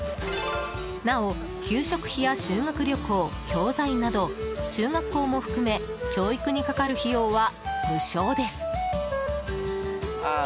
なお給食費や修学旅行、教材など中学校も含め教育にかかる費用は無償です。